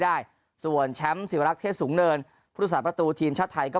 ได้ส่วนแชมป์สิวรักษณ์เทศสูงเนินประตูทีมชาติไทยก็